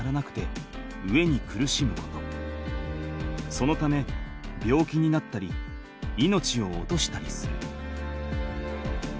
そのため病気になったり命を落としたりする。